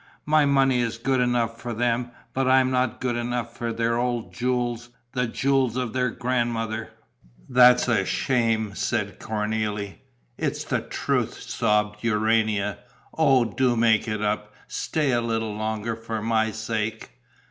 My money is good enough for them, but I am not good enough for their old jewels, the jewels of their grandmother!" "That's a shame!" said Cornélie. "It's the truth!" sobbed Urania. "Oh, do make it up, stay a little longer, for my sake!..."